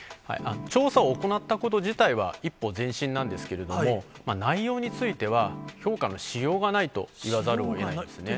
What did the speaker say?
調査を行ったこと自体は一歩前進なんですけれども、内容については、評価のしようがないと言わざるをえないですね。